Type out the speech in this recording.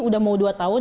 udah mau dua tahun